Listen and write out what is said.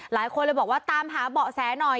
หลายคนเลยบอกว่าตามหาเบาะแสหน่อย